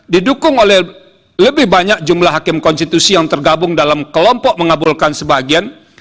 didukung oleh lebih banyak jumlah hakim konstitusi yang tergabung dalam kelompok mengabulkan sebagian